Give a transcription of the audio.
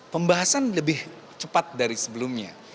pembahasan lebih cepat dari sebelumnya